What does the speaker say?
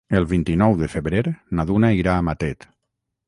El vint-i-nou de febrer na Duna irà a Matet.